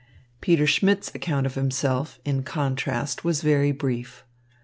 Peter Schmidt's account of himself, in contrast, was very brief.